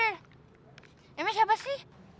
emangnya siapa sih